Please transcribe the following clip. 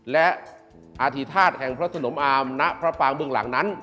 และอธิธาตุแห่งพระสนมอามณพระปางเบื้องหลังนั้น